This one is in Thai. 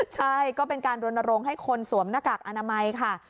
ใช่ก็เป็นการรณรงค์ให้คนสวมหน้ากากอนามัยค่ะ